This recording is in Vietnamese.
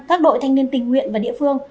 các đội thanh niên tình nguyện và địa phương